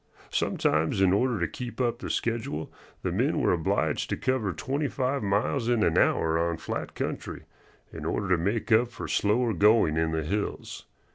Sometimes in order to keep up the schedule the men were obliged to cover twenty five miles in an hour on flat country, in order to make up for slower going in the hills.